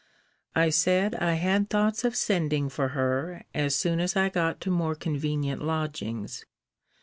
I said I had thoughts of sending for her, as soon as I got to more convenient lodgings.